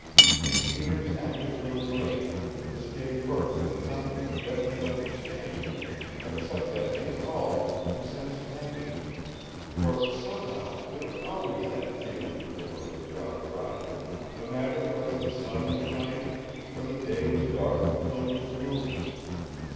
In Peter's active little brain this gave birth to nothing of definite understanding, except that in it all he sensed happiness, for somehow there was always that feeling when they were with Jolly Roger, no matter whether the sun was shining or the day was dark and filled with gloom.